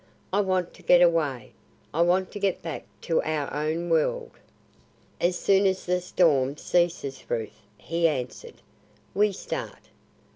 I want to get away. I want to get back to our own world." "As soon as the storm ceases, Ruth," he answered, "we start.